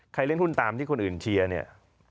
เล่นหุ้นตามที่คนอื่นเชียร์เนี่ย